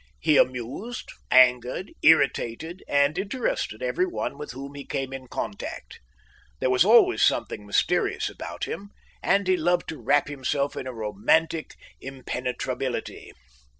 He amused, angered, irritated, and interested everyone with whom he came in contact. There was always something mysterious about him, and he loved to wrap himself in a romantic impenetrability.